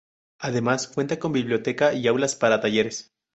Además, cuenta con biblioteca y aulas para talleres.